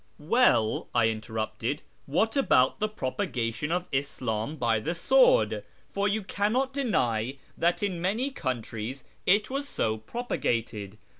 " AVell," I interrupted, " what about the propagation of Ishim by the sword ? For you cannot deny that in many countries it was so propagated.